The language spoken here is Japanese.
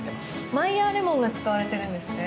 マイヤーレモンが使われているんですね。